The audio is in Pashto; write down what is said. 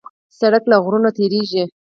سړک له غرونو تېرېږي.